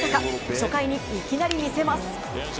初回にいきなり見せます。